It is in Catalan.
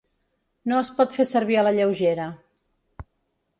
No es pot fer servir a la lleugera.